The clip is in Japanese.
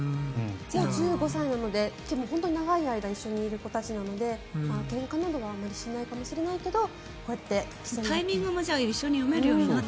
１５歳なので本当に長い間一緒にいる子たちなのでけんかなどはあまりしないかもしれないけどこうやって競い合って。